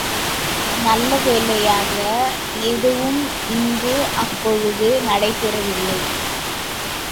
நல்ல வேளையாக எதுவும் அங்கு அப்பொழுது நடைபெறவில்லை.